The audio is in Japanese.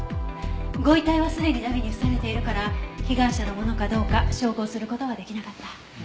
ご遺体はすでに荼毘に付されているから被害者のものかどうか照合する事は出来なかった。